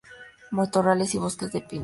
Matorrales y bosques de pinos.